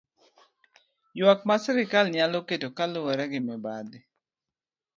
Ywak ma sirkal nyalo keto kaluwore gi mibadhi.